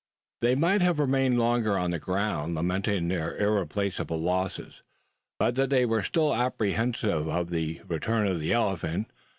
They might have remained longer on the ground lamenting this irreparable loss, but that they were still apprehensive of the return of the elephant.